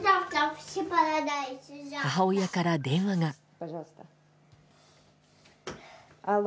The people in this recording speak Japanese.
母親から電話が。